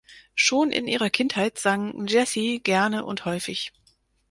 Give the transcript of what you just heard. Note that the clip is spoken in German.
Schon in ihrer Kindheit sang Jessye gerne und häufig.